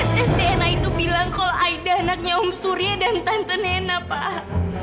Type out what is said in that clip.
tes dna itu bilang kalau aida anaknya om surya dan tante nena pak